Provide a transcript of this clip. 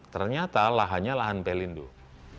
ternyata lahannya lahan pelindung